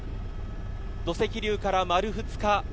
土石流から丸２日。